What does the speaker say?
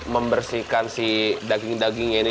membersihkan si daging daging ini